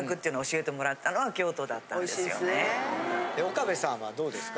岡部さんはどうですか？